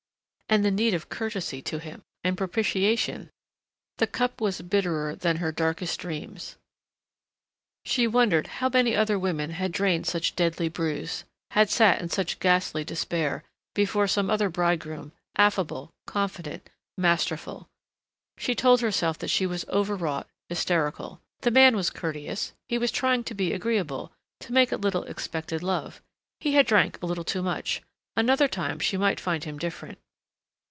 And the need of courtesy to him, of propititation ! The cup was bitterer than her darkest dreams.... She wondered how many other women had drained such deadly brews... had sat in such ghastly despair, before some other bridegroom, affable, confident, masterful.... She told herself that she was overwrought, hysterical. The man was courteous. He was trying to be agreeable, to make a little expected love. He had drank a little too much another time she might find him different.